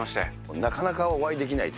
なかなかお会いできないと。